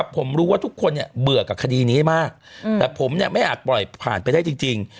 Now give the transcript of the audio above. ผมรู้ว่าทุกคนเบื่อกับคดีนี้มากแต่ผมไม่อาจปล่อยผ่านไปได้จริง